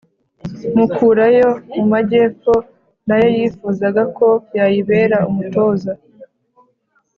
mukurayo mu majyepfo, na yo yifuzaga ko yayibera umutoza.